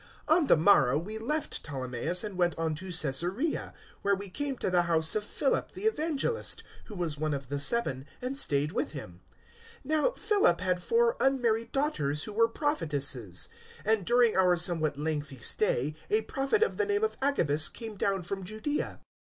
021:008 On the morrow we left Ptolemais and went on to Caesarea, where we came to the house of Philip the Evangelist, who was one of the seven, and stayed with him. 021:009 Now Philip had four unmarried daughters who were prophetesses; 021:010 and during our somewhat lengthy stay a Prophet of the name of Agabus came down from Judaea.